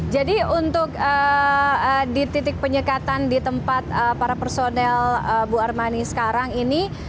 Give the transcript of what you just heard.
jadi untuk di titik penyekatan di tempat para personel bu armani sekarang ini